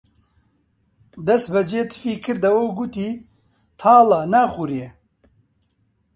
دەسبەجێ تفی کردەوە و گوتی: تاڵە، ناخورێ